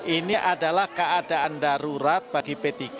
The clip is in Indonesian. ini adalah keadaan darurat bagi p tiga